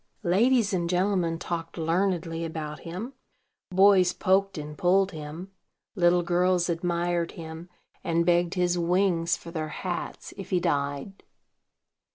Ladies and gentlemen talked learnedly about him; boys poked and pulled him; little girls admired him, and begged his wings for their hats, if he died.